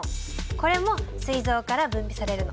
これもすい臓から分泌されるの。